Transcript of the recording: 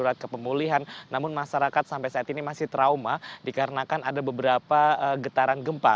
pemulihan namun masyarakat sampai saat ini masih trauma dikarenakan ada beberapa getaran gempa